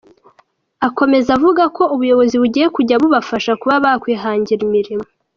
Akomeza avuga ko ubuyobozi bugiye kujya bubafasha kuba bakwihangira imirimo.